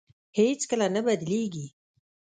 هېڅ کله نه بدلېږي.